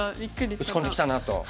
打ち込んできたなと。